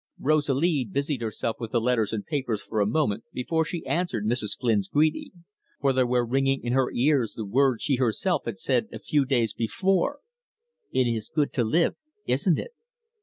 Rosalie busied herself with the letters and papers for a moment before she answered Mrs. Flynn's greeting, for there were ringing in her ears the words she herself had said a few days before: "It is good to live, isn't it?"